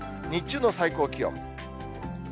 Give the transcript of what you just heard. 日中の最高気温。